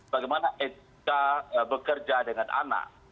bagaimana etika bekerja dengan anak